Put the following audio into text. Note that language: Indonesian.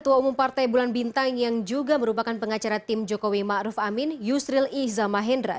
ketua umum partai bulan bintang yang juga merupakan pengacara tim jokowi ma'ruf amin yusril i zamahendra